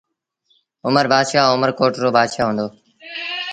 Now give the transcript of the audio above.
اُمر بآتشآه اُمر ڪوٽ رو بآتشآه هُݩدو۔